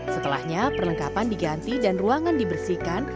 setelahnya perlengkapan diganti dan ruangan dibersihkan